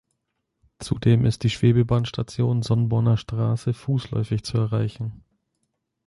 Zudem ist die Schwebebahnstation Sonnborner Straße fußläufig zu erreichen.